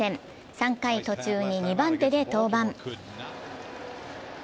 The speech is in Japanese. ３回途中に２番手で登板。